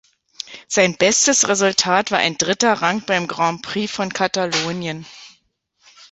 Sein bestes Resultat war ein dritter Rang beim Grand Prix von Katalonien.